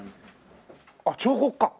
あっ彫刻家？